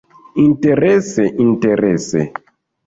Interese, interese.